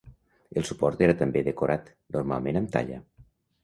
El suport era també decorat, normalment amb talla.